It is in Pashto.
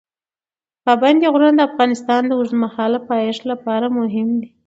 پابندي غرونه د افغانستان د اوږدمهاله پایښت لپاره مهم دي.